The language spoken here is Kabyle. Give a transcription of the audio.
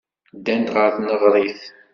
Ddant ɣer tneɣrit.